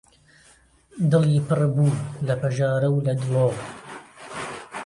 دڵی پڕ بوو لە پەژارە و لە دڵۆ